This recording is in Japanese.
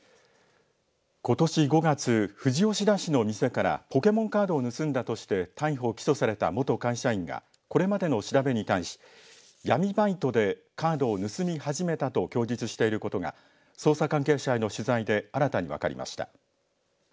ことし５月、富士吉田市の店からポケモンカードを盗んだとして逮捕起訴された元会社員がこれまでの調べに対し闇バイトでカードを盗み始めたと供述していることが捜査関係者への取材で新たに分かりました。